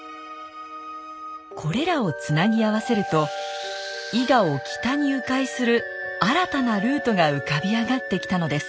これらをつなぎ合わせると伊賀を北にう回する新たなルートが浮かび上がってきたのです。